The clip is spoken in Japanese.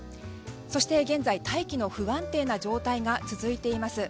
そして、現在、大気の不安定な状態が続いています。